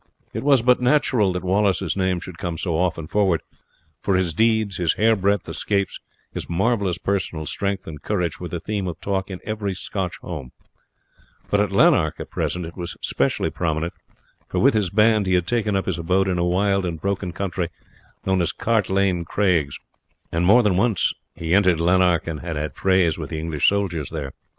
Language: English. It was but natural that Wallace's name should come so often forward, for his deeds, his hairbreadth escapes, his marvellous personal strength and courage, were the theme of talk in every Scotch home; but at Lanark at present it was specially prominent, for with his band he had taken up his abode in a wild and broken country known as Cart Lane Craigs, and more than once he had entered Lanark and had had frays with the English soldiers there.